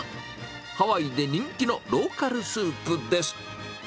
ハワイで人気のローカルスープです。